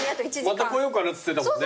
また来ようかなっつってたもんね。